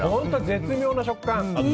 絶妙な食感！